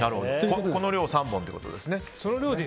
この量を３本ということですね。